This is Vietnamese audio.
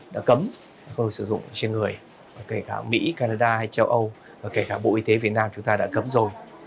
đã cấm không được sử dụng trên người kể cả mỹ canada hay châu âu kể cả bộ y tế việt nam chúng ta đã cấm rồi